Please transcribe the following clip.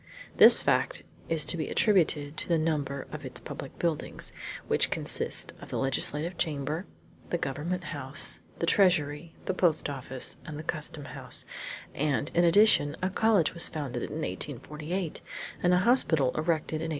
This fact is to be attributed to the number of its public buildings, which consist of the legislative chamber, the government house, the treasury, the post office, and the custom house, and, in addition, a college founded in 1848, and a hospital erected in 1851.